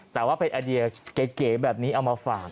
แต่ว่าเป็นไอเดียเก๋แบบนี้เอามาฝาก